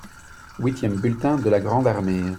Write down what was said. Huitième bulletin de la grande armée.